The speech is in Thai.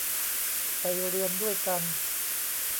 ไปเรียนด้วยกัน !